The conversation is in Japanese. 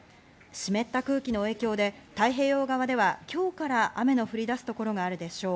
湿った空気の影響で太平洋側では今日から雨の降り出す所があるでしょう。